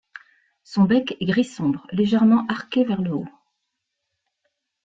Son bec est gris sombre, légèrement arqué vers le haut.